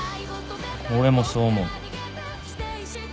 俺もそう思う。